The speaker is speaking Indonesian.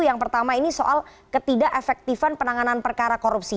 yang pertama ini soal ketidak efektifan penanganan perkara korupsi